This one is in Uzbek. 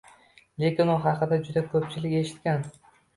lekin u haqida juda ko’pchilik eshitgan